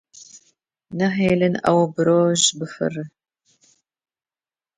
Nahêlin ew bi roj bifire.